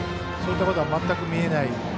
そういったことは全く見えない。